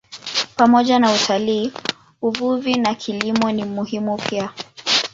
Pamoja na utalii, uvuvi na kilimo ni muhimu pia.